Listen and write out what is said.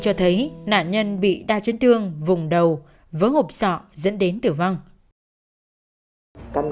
cho thấy nạn nhân bị đa chấn thương vùng đầu với hộp sọ dẫn đến tiểu văn